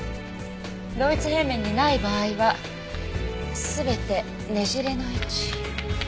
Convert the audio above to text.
同一平面にない場合は全てねじれの位置。